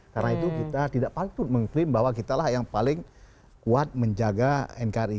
karena itu kita tidak patut mengklaim bahwa kita lah yang paling kuat menjaga nkri